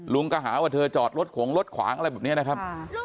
ก็หาว่าเธอจอดรถขวงรถขวางอะไรแบบนี้นะครับ